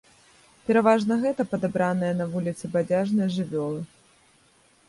Пераважна гэта падабраныя на вуліцы бадзяжныя жывёлы.